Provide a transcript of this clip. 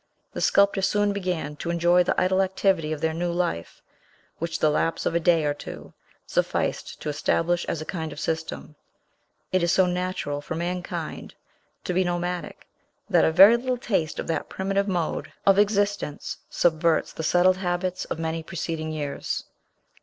The sculptor soon began to enjoy the idle activity of their new life, which the lapse of a day or two sufficed to establish as a kind of system; it is so natural for mankind to be nomadic, that a very little taste of that primitive mode of existence subverts the settled habits of many preceding years.